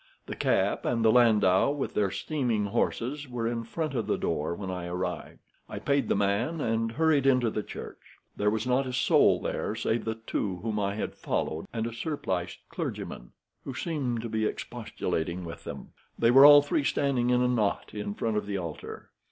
The cab and landau with their steaming horses were in front of the door when I arrived. I paid the man, and hurried into the church. There was not a soul there save the two whom I had followed, and a surpliced clergyman, who seemed to be expostulating with them. They were all three standing in a knot in front of the altar.